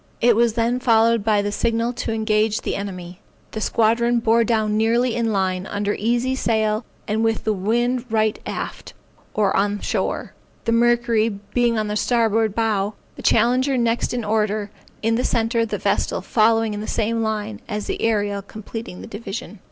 It was then followed by the signal to engage the enemy. The squadron bore down nearly in line, under easy sail, and with the wind right aft, or on shore; the Mercury being on the starboard bow, the Challenger next in order, in the centre, the Vestal following in the same line, and the Ariel completing the division.